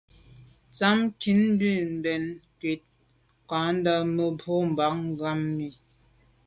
Ntsham nkin mi mbèn nkut kandà ma’ bwe boa ngàm mi.